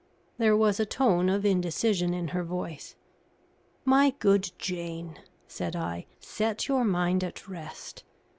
There was a tone of indecision in her voice. "My good Jane," said I, "set your mind at rest.